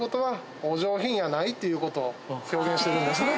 っていうことを表現してるんですね。